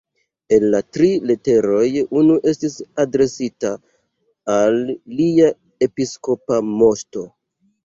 El la tri leteroj unu estis adresita al Lia Episkopa Moŝto.